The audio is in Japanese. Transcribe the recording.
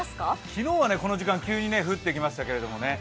昨日はこの時間、急に降ってきましたけどね。